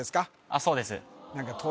あっそうです